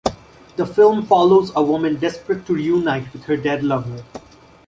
The film follows a woman desperate to reunite with her dead lover.